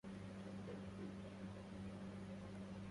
حتى إذا بعث الصباح فراقنا